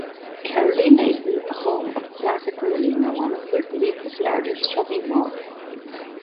Carolina is the home of Plaza Carolina, one of Puerto Rico's largest shopping malls.